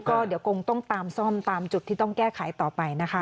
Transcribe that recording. ก็เดี๋ยวคงต้องตามซ่อมตามจุดที่ต้องแก้ไขต่อไปนะคะ